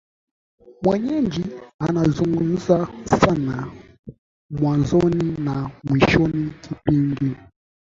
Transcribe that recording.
mwenyeji anazungumza sana mwanzoni na mwishoni kipindi